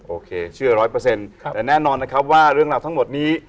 โอเคเชื่อร้อยเปอร์เซ็นต์แต่แน่นอนนะครับว่าเรื่องราวทั้งหมดนี้